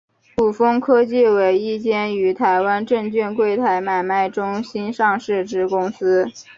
伍丰科技为一间于台湾证券柜台买卖中心上市之公司。